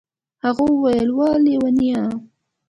هغه وويل وه ليونيه.